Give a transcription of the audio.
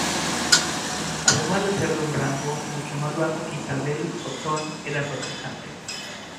Además de ser de un rango mucho más bajo que Isabel, Otón era protestante.